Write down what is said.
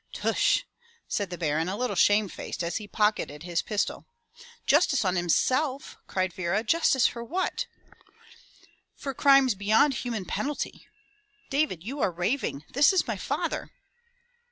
*' "Tush!" said the Baron, a little shamefaced as he pocketed his pistol. "Justice on himself!*' cried Vera, "justice for what? "For crimes beyond human penalty!" "David, you are raving. This is my father!"